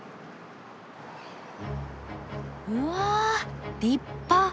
うわ立派！